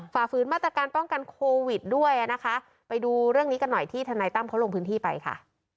ฝ่าฝืนมาตรการป้องกันโควิดด้วยนะคะไปดูเรื่องนี้กันหน่อยที่ทนายตั้มเขาลงพื้นที่ไปค่ะ